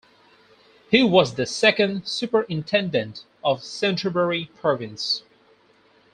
He was the second Superintendent of Canterbury Province.